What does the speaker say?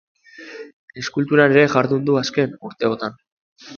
Eskulturan ere jardun du azken urteotan.